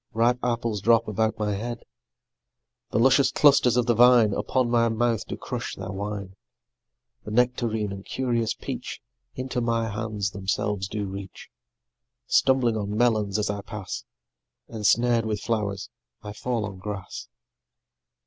Ripe apples drop about my head; The luscious clusters of the vine Upon my mouth do crush their wine; The nectarine and curious peach Into my hands themselves do reach; Stumbling on melons as I pass, Ensnared with flowers, I fall on grass.